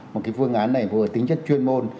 một cái phương án này vừa tính chất chuyên môn